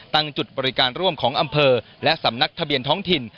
ตั้งจุดบริการร่วมของอำเภอและสำนักทะเบียนท้องถิ่น